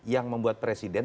yang membuat presiden